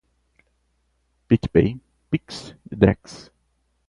PicPay, Pix, Drex